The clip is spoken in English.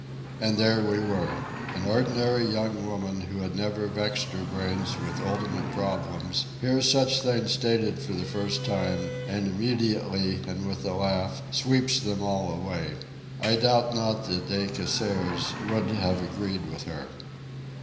And there we were. An ordinary young woman, who had never vexed her brains with ultimate problems, hears such things stated for the first time, and immediately, and with a laugh, sweeps them all away. I doubt not that De Casseres would have agreed with her.